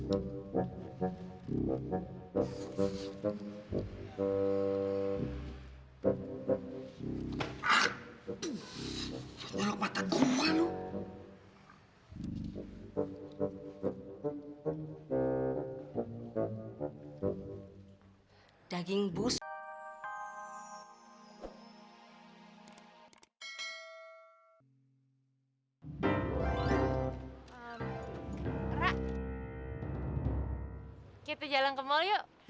aduh nyeluk mata gue lu